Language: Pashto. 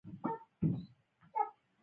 • ښه سلوک د انسان ښکلا ده.